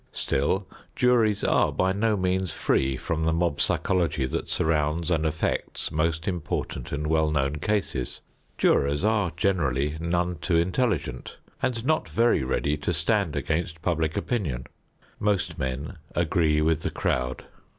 Still, juries are by no means free from the mob psychology that surrounds and affects most important and well known cases. Jurors are generally none too intelligent and not very ready to stand against public opinion. Most men agree with the crowd.